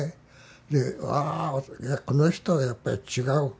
で「わあこの人はやっぱり違う。